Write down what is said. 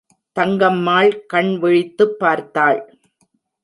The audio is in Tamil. தங்கம்மாள் கண் விழித்துப் பார்த்தாள்.